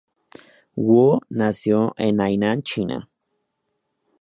Wu nació en Hainan, China.